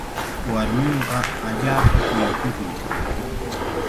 Warminqa allaapa kuyakuqmi.